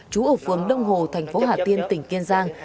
trú ở phường đông hồ thành phố hà tiên tỉnh kiên giang